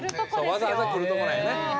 わざわざ来るとこなんやね。